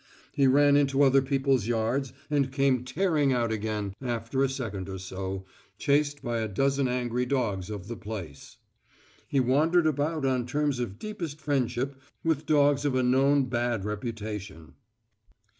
He ran into other people's yards and came tearing out again after a second or so, chased by a dozen angry dogs of the place. He wandered about on terms of deepest friendship with dogs of a known bad reputation.